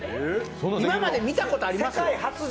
今まで見たことあります？